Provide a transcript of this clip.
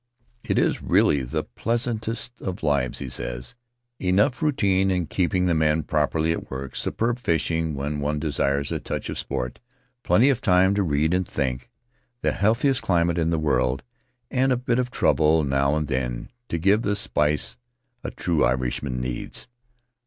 It is really the pleasantest of lives, he says; enough routine in keeping the men properly at work, superb fishing when one desires a touch of sport, plenty of time to read and think, the healthiest climate in the world, and a bit of trouble now and then to give the spice a true Irishman needs.